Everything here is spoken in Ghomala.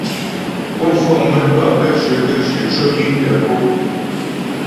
Ó fəŋ mə́twâ gaə́jyə gaə́jyə cwə giŋ tə ko.